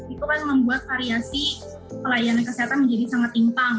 itu kan membuat variasi pelayanan kesehatan menjadi sangat timpang